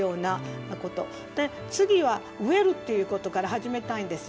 次は植えるっていうことから始めたいんですよ。